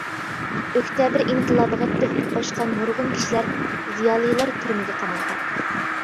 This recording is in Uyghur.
ئۆكتەبىر ئىنقىلابىغا تۆھپە قوشقان نۇرغۇن كىشىلەر، زىيالىيلار تۈرمىگە قامالغان.